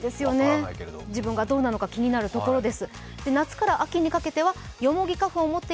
自分がどうなのか気になるところです。